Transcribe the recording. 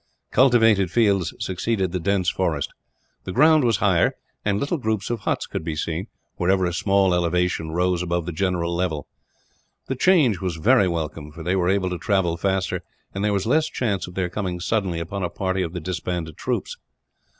Cultivated fields succeeded the dense forest. The ground was higher, and little groups of huts could be seen, wherever a small elevation rose above the general level. The change was very welcome, for they were able to travel faster, and there was less chance of their coming suddenly upon a party of the disbanded troops.